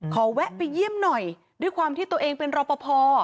แวะไปเยี่ยมหน่อยด้วยความที่ตัวเองเป็นรอปภ